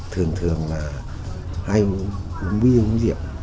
thường thường là hay uống bia uống rượu